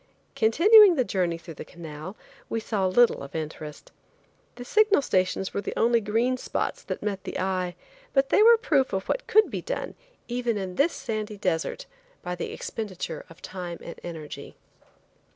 Continuing the journey through the canal we saw little of interest. The signal stations were the only green spots that met the eye, but they were proof of what could be done, even in this sandy desert by the expenditure of time and energy.